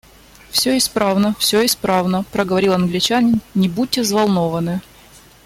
Всё исправно, всё исправно, — проговорил Англичанин, — не будьте взволнованы.